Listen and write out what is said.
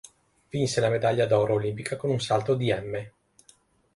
Vinse la medaglia d'oro olimpica con un salto di m.